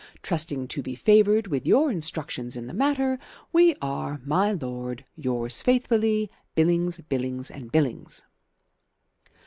Trusting to be favoured with your instructions in the matter, We are, my lord, "Yours faithfully, "BILLINGS, BILLINGS & BILLINGS."